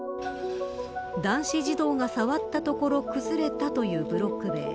男子児童が触ったところ崩れたというブロック塀。